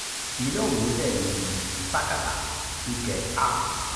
ilo mute mi li pakala. ike a!